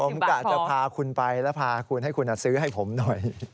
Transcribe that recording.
ผมกะจะพาคุณไปแล้วพาคุณให้คุณซื้อให้ผมหน่อย